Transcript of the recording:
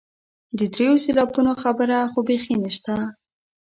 د دریو سېلابونو خبره خو بیخي نشته.